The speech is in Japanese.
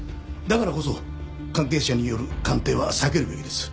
だからこそ関係者による鑑定は避けるべきです。